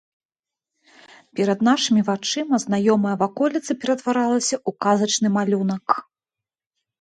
Перад нашымі вачыма знаёмая ваколіца ператваралася ў казачны малюнак.